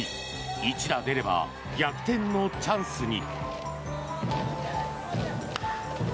一打出れば逆転のチャンスに。